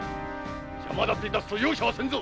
邪魔だてすると容赦はせんぞ。